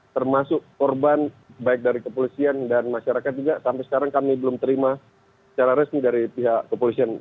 termasuk korban baik dari kepolisian dan masyarakat juga sampai sekarang kami belum terima secara resmi dari pihak kepolisian